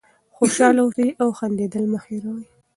خوشحاله اوسئ او خندېدل مه هېروئ.